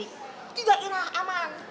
tiga irah aman